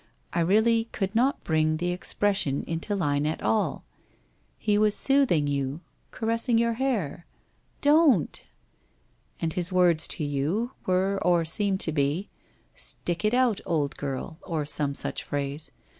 I really could not bring the expression into line at all. He was soothing you, caressing your hair ' 'Don't!' ' And his words to you were or seemed to be —" Stick it out, old girl !" or some such phrase.